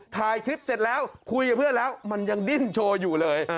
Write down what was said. ถ่ายคลิปเสร็จแล้วคุยกับเพื่อนแล้วมันยังดิ้นโชว์อยู่เลย